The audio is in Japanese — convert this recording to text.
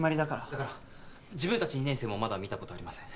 だから自分たち２年生もまだ見た事ありません。